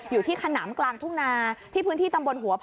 อยู่ที่ขนามกลางทุ่งนาที่พื้นที่ตำบลหัวไผ่